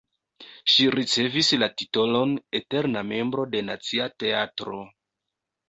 Ŝi ricevis la titolon eterna membro de Nacia Teatro.